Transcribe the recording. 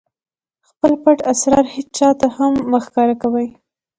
خپل پټ اسرار هېچاته هم مه ښکاره کوئ!